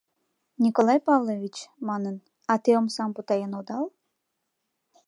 — Николай Павлович, — манын, — а те омсам путаен одал?